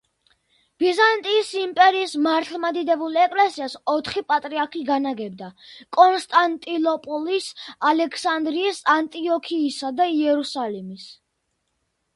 ბიზანტიის იმპერიის მართლმადიდებლურ ეკლესიას ოთხი პატრიარქი განაგებდა: კონსტანტინოპოლის, ალექსანდრიის, ანტიოქიისა და იერუსალიმის.